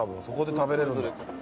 そこで食べれるんだ。